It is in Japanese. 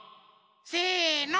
せの！